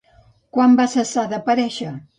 Quan va cessar d'aparèixer?